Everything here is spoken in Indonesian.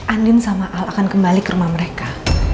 andin sama al akan kembali ke rumah mereka